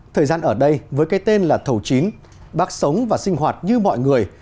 thời gian ở đây với cái tên là thầu chín bác sống và sinh hoạt như mọi người